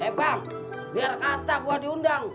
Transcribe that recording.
eh bang biar kata gue diundang